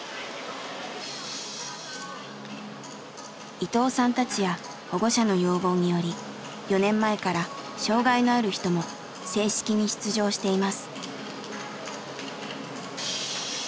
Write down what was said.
伊藤さんたちや保護者の要望により４年前から障害のある人も正式に出場しています。